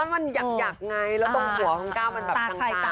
มันหยักไงแล้วตรงหัวของก้าวมันแบบ